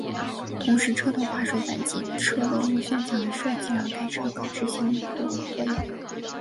同时车头滑水板及车尾螺旋桨的设计让该车可执行渡河作业。